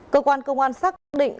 cơ quan công an xác định